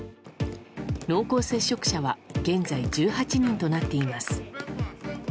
濃厚接触者は現在１８人となっています。